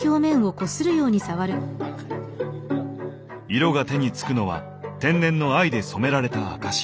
色が手につくのは天然の藍で染められた証し。